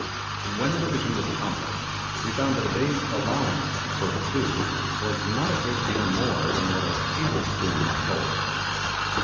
When the division was accomplished, we found that a day's allowance for the two was not a great deal more than what a table spoon might hold.